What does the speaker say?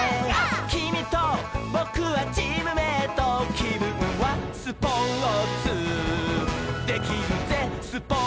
「きみとぼくはチームメイト」「きぶんはスポーツできるぜスポーツ」